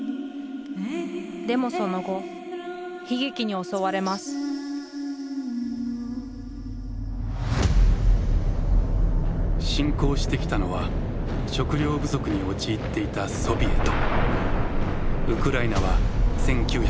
でもその後悲劇に襲われます侵攻してきたのは食糧不足に陥っていたソビエト。